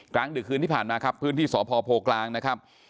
กลางดึกคืนที่ผ่านมาครับพื้นที่สพโพกลางนะครับ